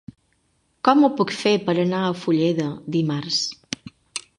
Com ho puc fer per anar a Fulleda dimarts?